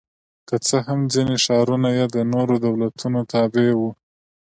که څه هم ځیني ښارونه یې د نورو دولتونو تابع وو